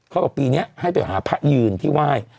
บอกปีนี้ให้ไปหาพระยืนที่ไหว้